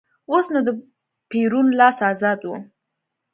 اوس نو د پېرون لاس ازاد و.